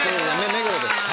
目黒です。